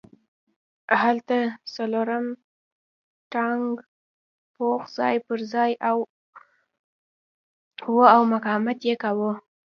هلته څلورم ټانک پوځ ځای پرځای و او مقاومت یې کاوه